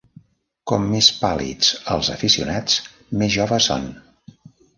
Com més pàl·lids els aficionats, més joves són.